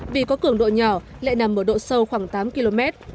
vì có cường độ nhỏ lại nằm ở độ sâu khoảng tám km